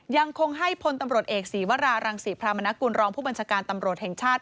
ยังคงให้พลตำรวจเอกศีวรารังศรีพรามนกุลรองผู้บัญชาการตำรวจแห่งชาติ